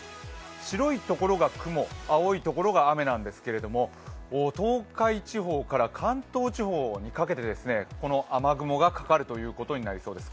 白いところが雲、青いところが雨なんですけれども東海地方から関東地方にかけて、この雨雲がかかるということになりそうです。